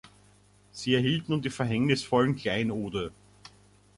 Sie erhielt nun die verhängnisvollen Kleinode.